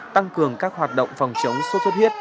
tăng cường các hoạt động phòng chống sốt xuất huyết